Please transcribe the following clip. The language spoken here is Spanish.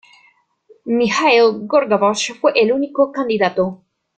Mijaíl Gorbachov fue el único candidato.